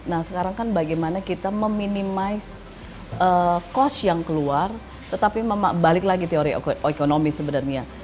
nah sekarang kan bagaimana kita meminimais cost yang keluar tetapi balik lagi teori ekonomi sebenarnya